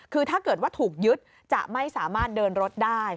คือถ้าเกิดว่าถูกยึดจะไม่สามารถเดินรถได้